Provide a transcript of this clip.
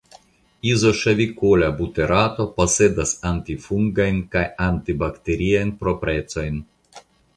Izoŝavikola buterato posedas antifungajn kaj antibakteriajn proprecojn.